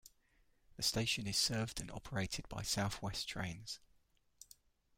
The station is served and operated by South West Trains.